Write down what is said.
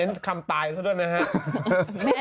เน้นคำตายซะด้วยนะครับ